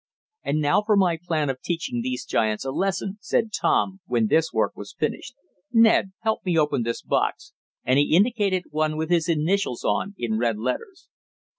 "And now for my plan of teaching these giants a lesson," said Tom, when this work was finished. "Ned, help me open this box," and he indicated one with his initials on in red letters.